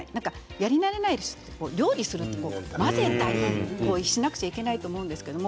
やり慣れない人って料理すると混ぜたりしなくちゃいけないと思うんですけれど